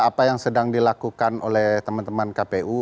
apa yang sedang dilakukan oleh teman teman kpu